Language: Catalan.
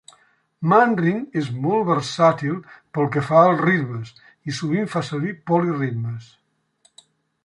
Manring és molt versàtil pel que fa als ritmes, i sovint fa servir poliritmes.